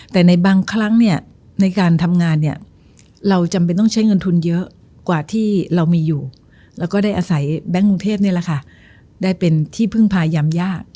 แต่ในบางครั้งเนี่ยในการทำงานเนี่ยเราจำเป็นต้องใช้เงินทุนเยอะกว่าที่เรามีอยู่แล้วก็ได้อาศัยแบงค์กรุงเทพนี่แหละค่ะได้เป็นที่พึ่งพายามยาก